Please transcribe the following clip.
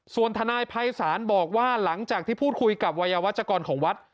ส่วนทนายภัยศาลบอกว่าหลังจากที่พูดคุยกับวัยวัชกรของวัด